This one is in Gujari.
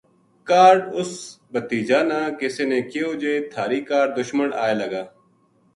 کاہڈ اس بھتیجا نا کِسے نے کہیو جے تھاری کاہڈ دشمن آئے لگا